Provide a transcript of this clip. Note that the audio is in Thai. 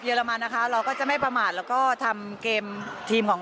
อรมันนะคะเราก็จะไม่ประมาทแล้วก็ทำเกมทีมของ